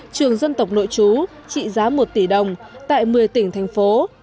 trường dân tộc nội chú trị giá một tỷ đồng tại một mươi tỉnh thành phố